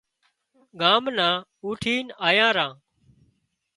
ڳام نان اُوٺينَ آيان ران